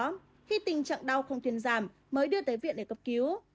khi tình trạng đau không thiên giảm mới đưa tới viện để cấp cứu